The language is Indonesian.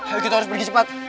ayo kita harus pergi cepat